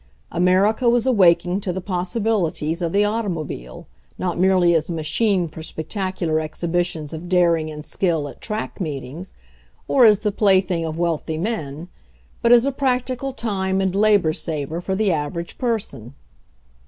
America was awaking to the possibilities of the automobile, not merely as a machine for spectacular exhibi tions of daring and skill at track meetings, or as the plaything of wealthy men, but as a practical time and labor saver for the average person.